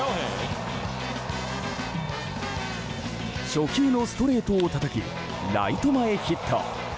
初球のストレートをたたきライト前ヒット。